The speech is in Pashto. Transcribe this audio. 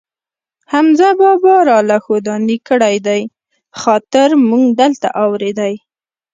حمزه بابا را له ښودانې کړی دي، خاطر مونږ دلته اورېدی.